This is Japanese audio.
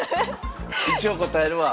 一応答えるわ。